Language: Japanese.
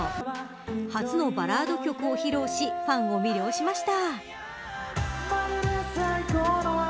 初のバラード曲を披露しファンを魅了しました。